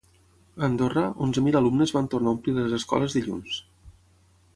A Andorra, onzen mil alumnes van tornar a omplir les escoles dilluns.